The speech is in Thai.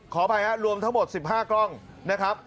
ขออภัยครับรวมทั้งหมด๑๕กล้องนะครับ